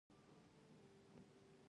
مصنوعي ځیرکتیا د انساني خلاقیت رول بدلوي.